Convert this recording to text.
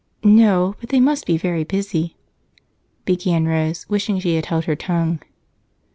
"No, but they must be very busy," began Rose, wishing she had held her tongue.